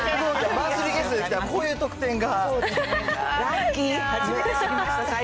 マンスリーゲストで来たらこういう特典が。